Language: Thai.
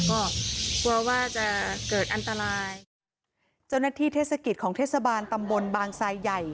ก็กลัวว่าจะเกิดอันตรายเจ้าหน้าที่เทศกิจของเทศบาลตำบลบางทรายใหญ่